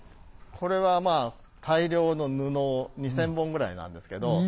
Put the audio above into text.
これはまあ大量の布を２，０００本ぐらいなんですけど。